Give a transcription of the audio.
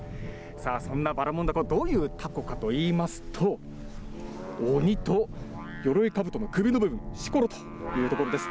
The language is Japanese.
そんなばらもんだこ、どういうたこかといいますと、鬼とよろいかぶとの首の部分、しころというところです。